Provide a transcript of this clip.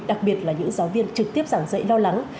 đặc biệt là những giáo viên trực tiếp giảng dạy lo lắng